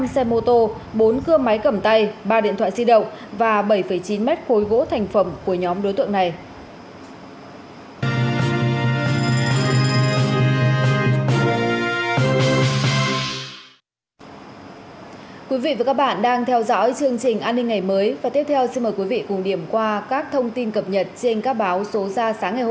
năm xe mô tô bốn cưa máy cầm tay ba điện thoại di động và bảy chín mét khối gỗ